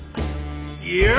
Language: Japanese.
いや！